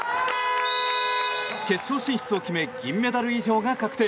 決勝進出を決め銀メダル以上が確定。